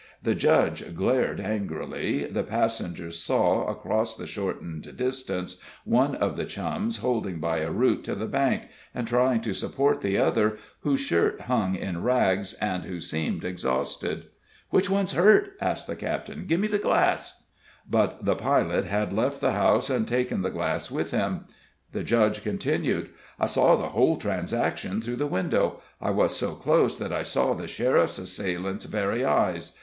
The Judge glared angrily; the passengers saw, across the shortened distance, one of the Chums holding by a root to the bank, and trying to support the other, whose shirt hung in rags, and who seemed exhausted. "Which one's hurt?" asked the captain. "Give me the glass." But the pilot had left the house and taken the glass with him. The Judge continued: "I saw the whole transaction through the window. I was so close that I saw the sheriff's assailant's very eyes.